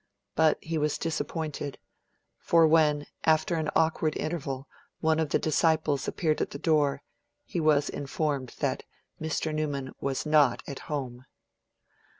But he was disappointed; for when, after an awkward interval, one of the disciples appeared at the door, he was informed that Mr. Newman was not at home.